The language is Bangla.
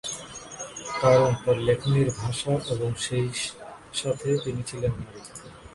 কারণ তার লেখনীর ভাষা এবং সেইসাথে তিনি ছিলেন নারী।